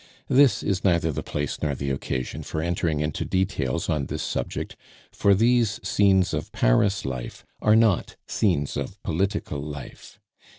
This is neither the place nor the occasion for entering into details on this subject, for these "Scenes of Paris Life" are not "Scenes of Political Life."